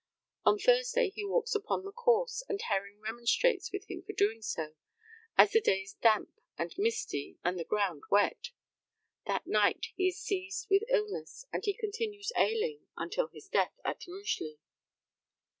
On Thursday he walks upon the course, and Herring remonstrates with him for doing so, as the day is damp and misty, and the ground wet. That night he is seized with illness, and he continues ailing until his death at Rugeley.